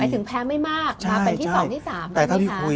ถึงแพ้ไม่มากมาเป็นที่๒ที่๓ใช่ไหมคะ